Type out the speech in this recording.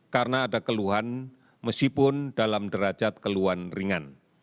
karena ada keluhan meskipun dalam derajat keluhan ringan